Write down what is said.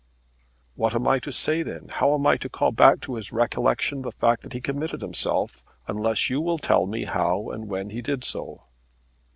"What am I to say then? How am I to call back to his recollection the fact that he committed himself, unless you will tell me how and when he did so?"